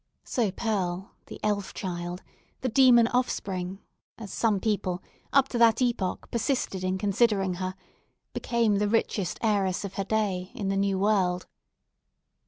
So Pearl—the elf child—the demon offspring, as some people up to that epoch persisted in considering her—became the richest heiress of her day in the New World.